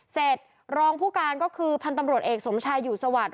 รองผู้การก็คือพันธุ์ตำรวจเอกสมชายอยู่สวัสดิ